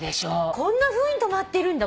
こんなふうに止まってるんだ。